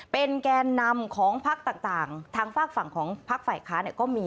เป็นแกนนำของภักดิ์ต่างทางฝากฝั่งของภักดิ์ฝ่ายค้าก็มี